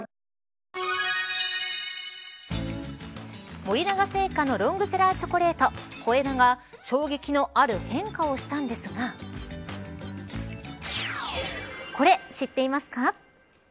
森永製菓のロングセラーチョコレート、小枝が衝撃のある変化をしたんですがこれ、知っていますか。